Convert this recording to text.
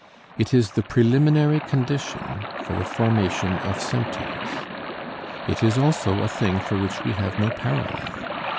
It is the preliminary condition for the formation of symptoms; it is also a thing for which we have no parallel.